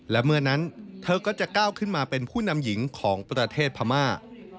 และเมื่อนั้นเธอก็จะก้าวขึ้นมาเป็นผู้นำหญิงของประเทศพม่า